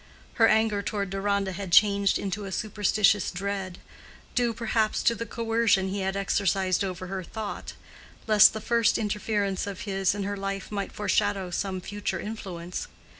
Her anger toward Deronda had changed into a superstitious dread—due, perhaps, to the coercion he had exercised over her thought—lest the first interference of his in her life might foreshadow some future influence.